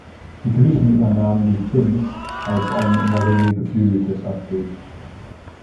Die Griechen übernahmen die Sphinx als ein in der Regel geflügeltes Abbild.